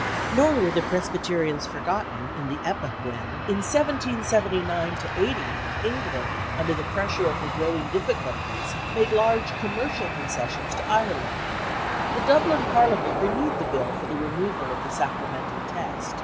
Nor were the Presbyterians forgotten at the epoch when, in 1779 80, England, under the pressure of her growing difficulties, made large commercial concessions to Ireland. The Dublin Parliament renewed the Bill for the removal of the Sacramental Test.